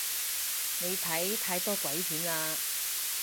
你睇太多鬼片喇